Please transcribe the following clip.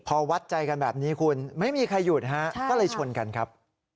พอวัดใจกันแบบนี้คุณไม่มีใครหยุดฮะก็เลยชนกันครับ